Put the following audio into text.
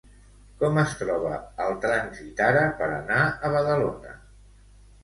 Com es troba el trànsit ara per anar a Badalona?